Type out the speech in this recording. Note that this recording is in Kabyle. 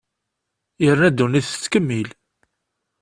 Yerna ddunit tettkemmil.